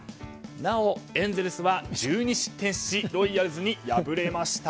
なおエンゼルスは１２失点しロイヤルズに敗れました。